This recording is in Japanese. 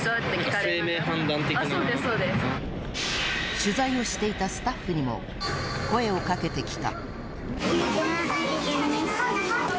取材をしていたスタッフにも声をかけてきた。